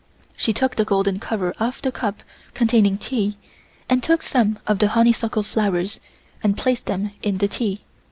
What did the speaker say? She took the golden cover off of the cup containing tea and took some of the honeysuckle flowers and placed them in the tea.